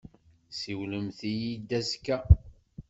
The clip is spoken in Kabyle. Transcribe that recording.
Siwlemt-iyi-d azekka.